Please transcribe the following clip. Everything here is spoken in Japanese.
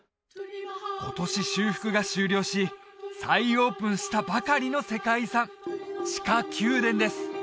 今年修復が終了し再オープンしたばかりの世界遺産地下宮殿です